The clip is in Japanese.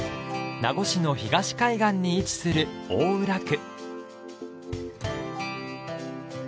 名護市の東海岸に位置する大浦区。